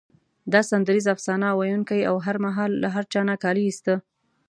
دا سندریز افسانه ویونکی او هر مهال له هر چا نه کالي ایسته.